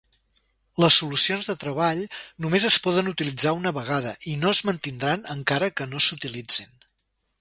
Les solucions de treball només es poden utilitzar una vegada i no es mantindran encara que no s'utilitzin.